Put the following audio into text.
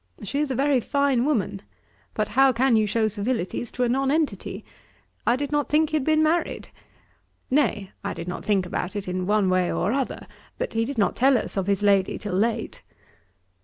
She is a very fine woman. But how can you shew civilities to a non entity? I did not think he had been married. Nay, I did not think about it one way or other; but he did not tell us of his lady till late.'